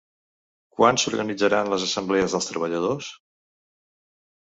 Quan s'organitzaran les assemblees dels treballadors?